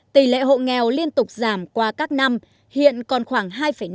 tỷ lệ hộ nghèo liên tục giảm qua các năm hiện còn khoảng hai năm